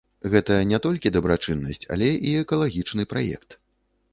Гэта не толькі дабрачыннасць, але і экалагічны праект.